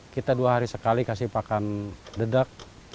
kita dua hari sekali kasih pakan dedek